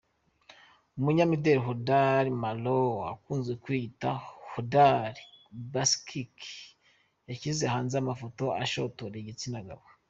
Umunyamideli huddah monroe ukunzwe kwiyita huddah the bosschick yashyize hanze amafoto ashotora igitsina gabo .